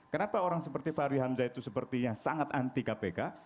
kenapa orang seperti fahri hamzah itu sepertinya sangat anti kpk